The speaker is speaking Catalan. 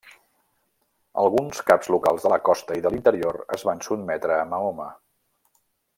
Alguns caps locals de la costa i de l'interior es van sotmetre a Mahoma.